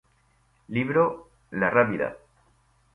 Libro "La Rábida.